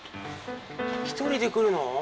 一人で来るの？